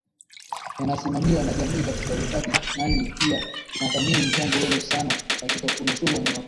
yanasimamiwa na jamii katika uhifadhi nanyi pia nathamini mchango wenu sana katika kunusuru wanyamapori